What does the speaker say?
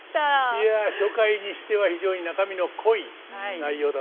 いや初回にしては非常に中身の濃い内容だったと思いますがいかがでしたか？